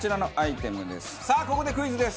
さあここでクイズです！